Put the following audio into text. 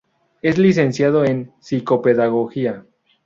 Es licenciado en psicopedagogía.